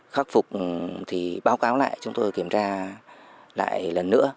khắc phục thì báo cáo lại chúng tôi kiểm tra lại lần nữa